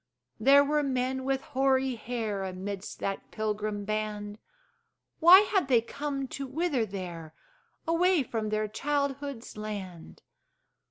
There were men with hoary hair Amidst that pilgrim band: Why had they come to wither there, Away from their childhood's land?